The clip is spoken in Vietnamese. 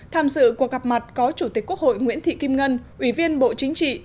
tham dự cuộc gặp mặt có chủ tịch quốc hội nguyễn thị kim ngân ủy viên bộ chính trị